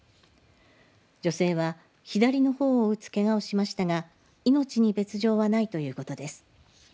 女性は左のほおを打つけがをしましたが命に別状はないということです。